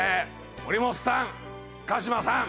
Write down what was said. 森本さん